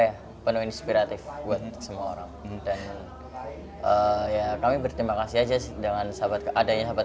ya penuh inspiratif buat semua orang dan ya kami berterima kasih aja dengan sahabat adanya sahabat